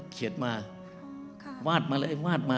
เขียนมาวาดมาเลย